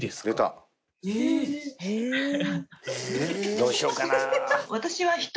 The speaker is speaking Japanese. どうしようかな。